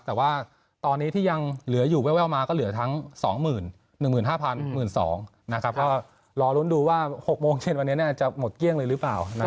แต่ว่าตอนนี้ที่ยังเหลืออยู่แววมาก็เหลือทั้งสองหมื่นหนึ่งหมื่นห้าพันหมื่นสองนะครับก็รอลุ้นดูว่าหกโมงเย็นวันนี้เนี่ยจะหมดเกี้ยงเลยหรือเปล่านะครับ